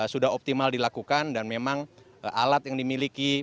sudah optimal dilakukan dan memang alat yang dimiliki